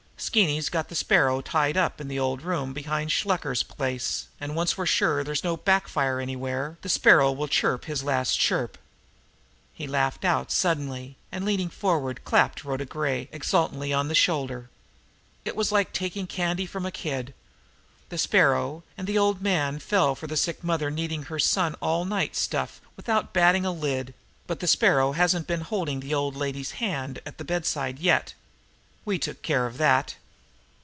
Skeeny's got the Sparrow tied up in the old room behind Shluker's place, and once we're sure there's no back fire anywhere, the Sparrow will chirp his last chirp." He laughed out suddenly, and, leaning forward, clapped Rhoda Gray exultantly on the shoulder. "It was like taking candy from a kid! The Sparrow and the old man fell for the sick mother, needing her son all night stuff without batting a lid; but the Sparrow hasn't been holding the old lady's hand at the bedside yet. We took care of that."